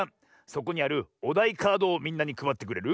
そこにあるおだいカードをみんなにくばってくれる？